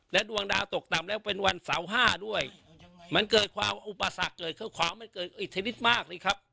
ดวงดาวตกต่ำแล้วเป็นวันเสาร์ห้าด้วยมันเกิดความอุปสรรคเกิดเขาขวางมันเกิดอิทธิฤทธิมากเลยครับ